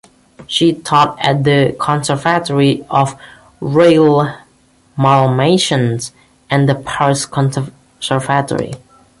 She taught at the conservatory of Rueil-Malmaison and the Paris Conservatory.